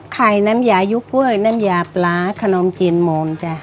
ขายน้ำยายุ้กเบื้อกน้ำยาปลาขนมจินมงจ้ะ